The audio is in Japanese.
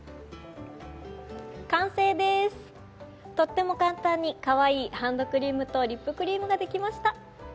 完成です、とっても簡単にかわいいハンドクリームとリップクリームができました。